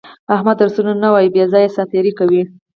احمد درسونه نه وایي، خوشې ساتېري کوي.